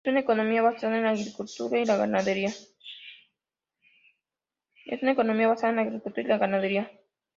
Es una economía basada en la agricultura y la ganadería.